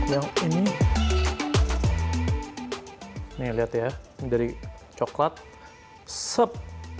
yang ini nih lihat ya dari cokelat sep